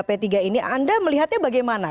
p tiga ini anda melihatnya bagaimana